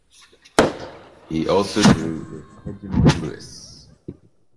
He also drew with Hedgemon Lewis.